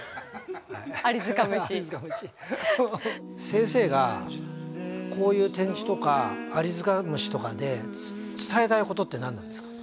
先生がこういう展示とかアリヅカムシとかで伝えたいことって何なんですか？